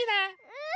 うん！